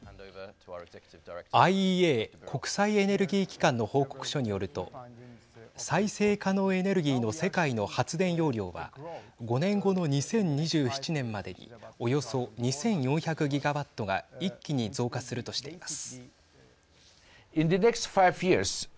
ＩＥＡ＝国際エネルギー機関の報告書によると再生可能エネルギーの世界の発電容量は５年後の２０２７年までにおよそ２４００ギガワットが一気に増加するとしています。